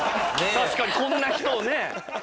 確かにこんな人をね。